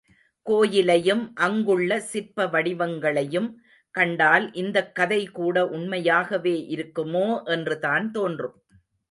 கோயிலையும் அங்குள்ள சிற்ப வடிவங்களையும் கண்டால் இந்தக் கதை கூட உண்மையாகவே இருக்குமோ என்றுதான் தோன்றும்.